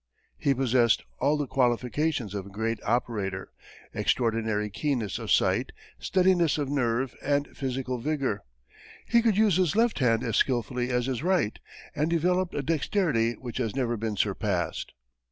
He possessed all the qualifications of a great operator, extraordinary keenness of sight, steadiness of nerve, and physical vigor. He could use his left hand as skillfully as his right, and developed a dexterity which has never been surpassed.